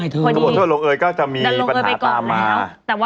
เขาบอกถ้าลงเอยก็จะมีปัญหาตามมา